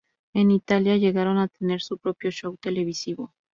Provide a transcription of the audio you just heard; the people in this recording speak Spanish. En Italia llegaron a tener su propio show televisivo.